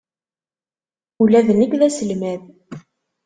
Ula d nekk d aselmad.